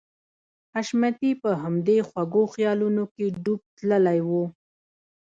حشمتي په همدې خوږو خيالونو کې ډوب تللی و.